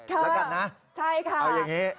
แล้วกันนะเอาอย่างนี้